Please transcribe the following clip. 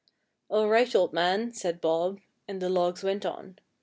"All right, old man," said Bob, and the logs went on.